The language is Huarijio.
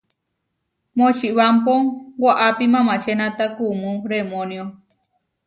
Močibámpo waʼapí mamačénata kumú remónio.